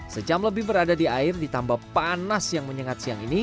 sejam lebih berada di air ditambah panas yang menyengat siang ini